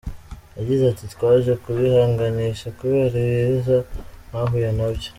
Yagize ati "Twaje kubihanganisha kubera Ibiza mwahuye nabyo.